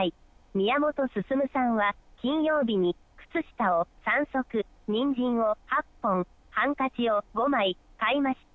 ミヤモトススムさんは金曜日に靴下を３足、ニンジンを８本、ハンカチを５枚買いました。